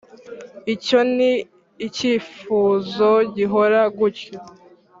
icyo ni icyifuzo gihora gutyo